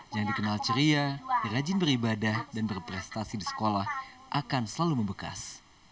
yang dikenal ceria rajin beribadah dan berprestasi di sekolah akan selalu membekas